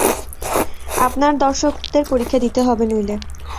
আপনার দর্শকদের পরীক্ষা দিতে হবে নইলে।